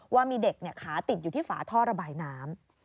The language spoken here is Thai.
ว่ามีเด็กขาติดอยู่ที่ฝาท่อระบายน้ำ